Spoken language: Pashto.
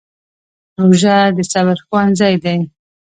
روژه د صبر ښوونځی دی.